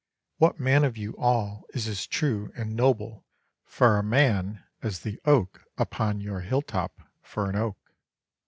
What man of you all is as true and noble for a man as the oak upon your hill top for an oak?